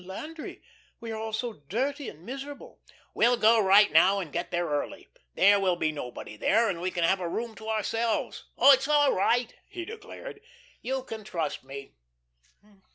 "But, Landry, we are all so dirty and miserable." "We'll go right now and get there early. There will be nobody there, and we can have a room to ourselves. Oh, it's all right," he declared. "You just trust me."